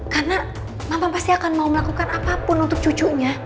karena mama pasti akan mau melakukan apapun untuk cucunya